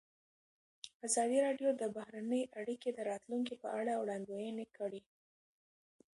ازادي راډیو د بهرنۍ اړیکې د راتلونکې په اړه وړاندوینې کړې.